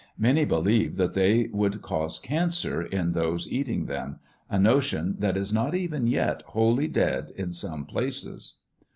Many believed that they would cause cancer in those eating them—a notion that is not even yet wholly dead in some places.